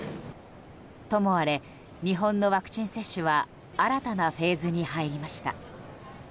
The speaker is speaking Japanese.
ともあれ、日本のワクチン接種は新たなフェーズに入りました。